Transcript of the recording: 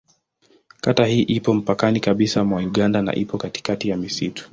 Kata hii ipo mpakani kabisa mwa Uganda na ipo katikati ya msitu.